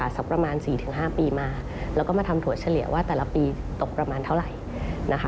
สักประมาณ๔๕ปีมาแล้วก็มาทำถั่วเฉลี่ยว่าแต่ละปีตกประมาณเท่าไหร่นะคะ